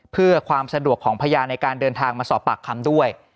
เพื่อความสะดวกของพยานในการเดินทางมาสอบปากคำด้วย